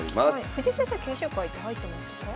藤井先生研修会って入ってましたか？